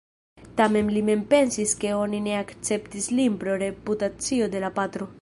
Tamen li mem pensis ke oni ne akceptis lin pro reputacio de la patro.